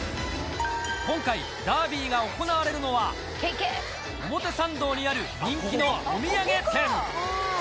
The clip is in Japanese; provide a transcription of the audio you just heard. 今回、ダービーが行われるのは、表参道にある人気のお土産店。